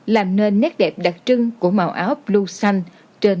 là nền nét đẹp đặc trưng của màu áo blue xanh